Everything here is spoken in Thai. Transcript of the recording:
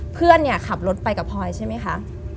เพื่อนขับรถไปกับพอยใช่ไหมคะ